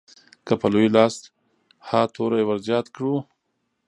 که په لوی لاس ها توری ورزیات کړو.